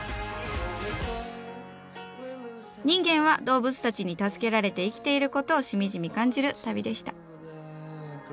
人間は動物たちに助けられて生きていることをしみじみ感じる旅でした。